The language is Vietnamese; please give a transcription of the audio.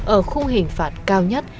ở khu hình phạt cao nhất